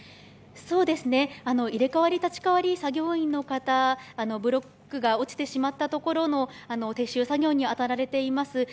入れ代わり立ち代わり、作業員の方、ブロックが落ちてしまったところの撤収作業に当たられています。